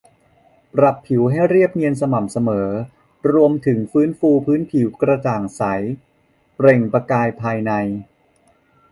ปรับผิวให้เรียบเนียนสม่ำเสมอ รวมถึงฟื้นฟูผิวให้กระจ่างใสเปล่งประกายภายใน